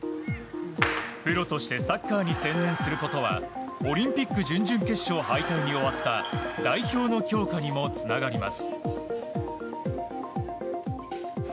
プロとしてサッカーに専念することはオリンピック準々決勝敗退に終わった代表の強化にもつながります。